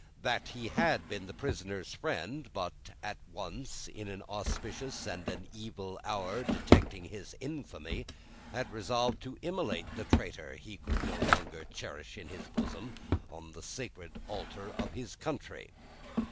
That, he had been the prisoner's friend, but, at once in an auspicious and an evil hour detecting his infamy, had resolved to immolate the traitor he could no longer cherish in his bosom, on the sacred altar of his country.